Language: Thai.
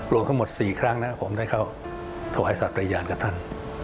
รวมทั้งหมดสี่ครั้งนะผมได้เข้าถวายศาสตร์ประญาณกับท่าน